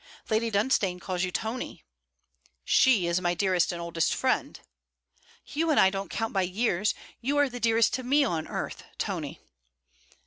'Lady Dunstane calls you Tony.' 'She is my dearest and oldest friend.' 'You and I don't count by years. You are the dearest to me on earth, Tony!'